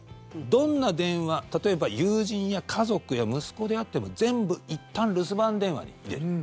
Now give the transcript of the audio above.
どんな電話例えば友人や家族や息子であっても全部、いったん留守番電話に入れる。